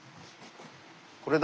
これだ。